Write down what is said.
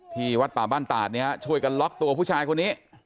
ที่วัดป่าบ้านตาดเนี่ยฮะช่วยกันล็อกตัวผู้ชายคนนี้